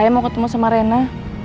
saya mau ketemu sama rena